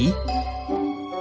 tentunya aku bisa melihat pri